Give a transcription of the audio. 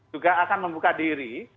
juga akan membuka diri